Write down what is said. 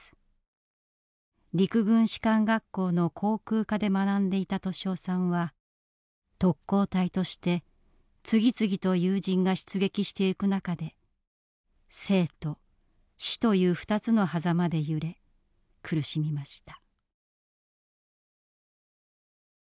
陸軍士官学校の航空科で学んでいた利雄さんは特攻隊として次々と友人が出撃していく中で生と死という二つのはざまで揺れ苦しみました。